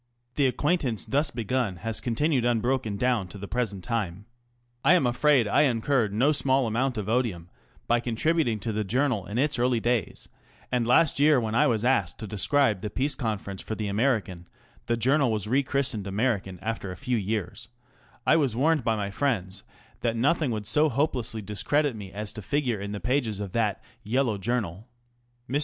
The acquaintance thus begun has continued un broken down to the present time. I am afraid I incurred no small amount of odium by contributing to the Journal in its early days, and last year when I was asked to describe the Peace Conference for the American (the Journal was re christened American after a few years), I was warned by my friends that nothing would so hopelessly discredit me as to figure in the pages of that " Yellow Journal." Mr.